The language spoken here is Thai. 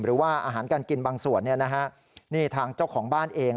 หรือว่าอาหารการกินบางส่วนทางเจ้าของบ้านเอง